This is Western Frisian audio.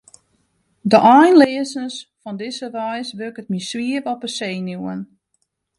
De einleazens fan dizze reis wurket my swier op 'e senuwen.